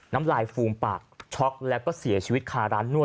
น้ำลายฟูมปากช็อกแล้วก็เสียชีวิตคาร้านนวด